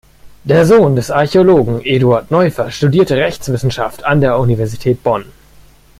Der Sohn des Archäologen Eduard Neuffer studierte Rechtswissenschaft an der Universität Bonn.